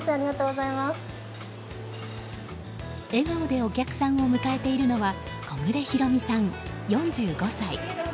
笑顔でお客さんを迎えているのは小暮広美さん、４５歳。